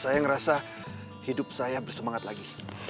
saya ngerasa hidup saya bersemangat lagi